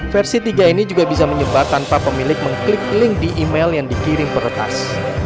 versi tiga ini juga bisa menyebar tanpa pemilik mengklik link di email yang dikirim peretas